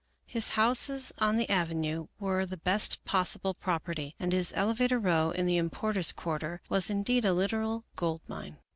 His houses on the avenue were the best possible property, and his elevator row in the importers' quarter was indeed a literal gold mine.